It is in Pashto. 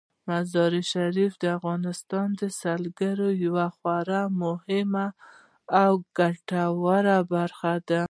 مزارشریف د افغانستان د سیلګرۍ یوه خورا مهمه او ګټوره برخه ده.